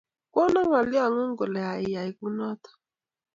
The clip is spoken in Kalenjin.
Kono ngalyongung kole iyae kunoto